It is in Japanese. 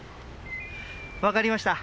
わかりました。